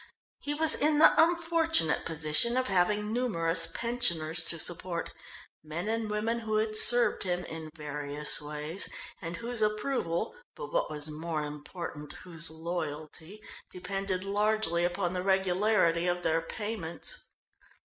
He was in the unfortunate position of having numerous pensioners to support, men and women who had served him in various ways and whose approval, but what was more important, whose loyalty, depended largely upon the regularity of their payments.